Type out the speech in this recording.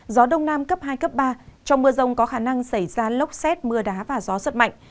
gió đông nam cấp hai cấp ba trong mưa rông có khả năng xảy ra lốc xét mưa đá và gió giật mạnh